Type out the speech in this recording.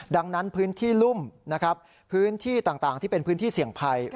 ดังนั้นพื้นที่รุ่มนะครับพื้นที่ต่างที่เป็นพื้นที่เสี่ยงภัย